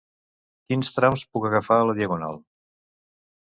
Quins trams puc agafar a la Diagonal?